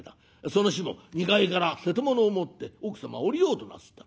その日も２階から瀬戸物を持って奥様は下りようとなすった。